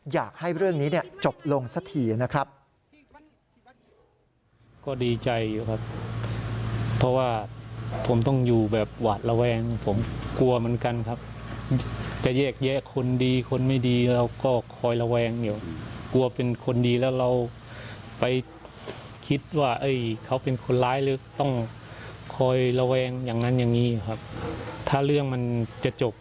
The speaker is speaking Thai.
อยากให้เรื่องนี้จบลงสักทีนะครับ